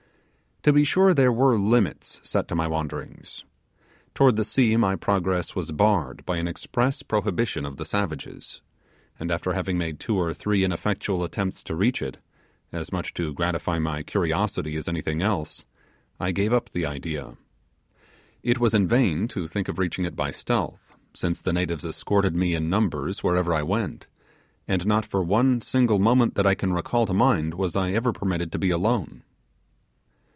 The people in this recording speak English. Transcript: To be sure there were limits set to my wanderings. Toward the sea my progress was barred by an express prohibition of the savages; and after having made two or three ineffectual attempts to reach it, as much to gratify my curiosity as anything else, I gave up the idea. It was in vain to think of reaching it by stealth, since the natives escorted me in numbers wherever I went, and not for one single moment that I can recall to mind was I ever permitted to be alone.